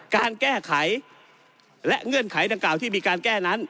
การแก้ไขและเงื่อนไขดังกล่าวที่มีการแก้นั้น